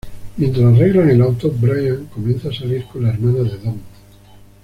Mientras arreglan el auto, Brian comienza a salir con la hermana de Dom.